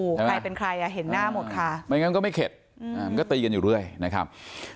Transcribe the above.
ใครเป็นใครอ่ะเห็นหน้าหมดค่ะไม่งั้นก็ไม่เข็ดมันก็ตีกันอยู่เรื่อยนะครับ